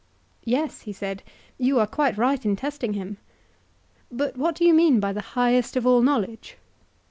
Yes, he said, you are quite right in testing him. But what do you mean by the highest of all knowledge?